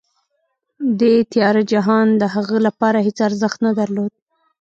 دې تیاره جهان د هغه لپاره هېڅ ارزښت نه درلود